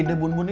indah bunuh ini